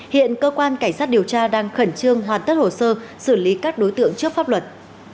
hiện cơ quan cảnh sát điều tra đang khẩn trương hoàn tất hồ sơ xử lý các đối tượng trước pháp luật